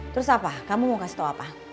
terus apa kamu mau kasih tahu apa